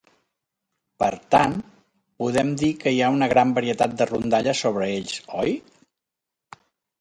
Per tant, podem dir que hi ha una gran varietat de rondalles sobre ells?